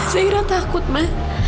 zairah takut ma